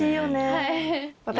はい。